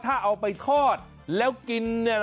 ถ้าเอาไปทอดแล้วกิน